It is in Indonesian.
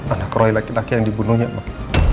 anak roi laki laki yang dibunuhnya mak